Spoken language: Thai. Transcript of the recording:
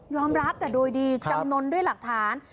รับแต่โดยดีจำนวนด้วยหลักฐาน